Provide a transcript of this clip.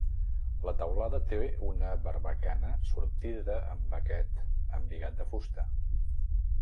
La teulada té una barbacana sortida amb aquest embigat de fusta.